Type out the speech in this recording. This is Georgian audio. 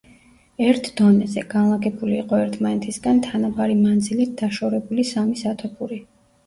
ერთ დონეზე, განლაგებული იყო ერთმანეთისგან თანაბარი მანძილით დაშორებული სამი სათოფური.